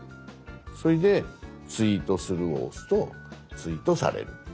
それで「ツイートする」を押すとツイートされる。